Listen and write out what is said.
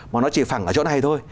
mà nó chỉ phẳng ở chỗ này thôi